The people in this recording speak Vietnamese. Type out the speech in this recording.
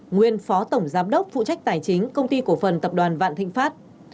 nguyên phó tổng giám đốc phụ trách tài chính công ty cổ phần tập đoàn vạn thịnh pháp